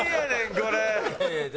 これ！